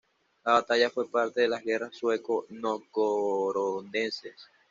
La batalla fue parte de las guerras sueco-novgorodenses.